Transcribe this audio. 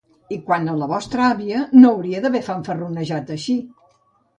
I, quant a la vostra àvia, no hauria d'haver fanfarronejat així!